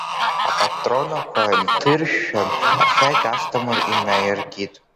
Апатронақәа нҭиршәшәан, ашәақь Асҭамыр инаииркит.